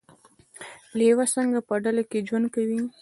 لیوه څنګه په ډله کې ژوند کوي؟